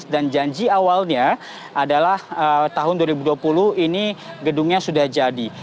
dan janji awalnya adalah tahun dua ribu dua puluh ini gedungnya sudah jadi